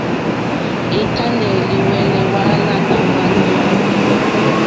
È tánɛ́ lìhwɛ́lɛ́ hwáàlánà hwáɲú.